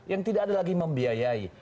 yang tidak ada lagi membiayai